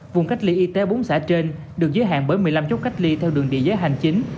vùng cách ly y tế bốn xã trên được giới hạn bởi một mươi năm chốt cách ly theo đường địa giới hành chính